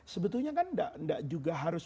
sebetulnya kan tidak juga harus